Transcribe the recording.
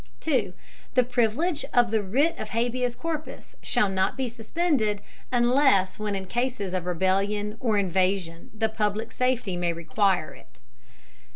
The Privilege of the Writ of Habeas Corpus shall not be suspended, unless when in Cases of Rebellion or Invasion the public Safety may require it.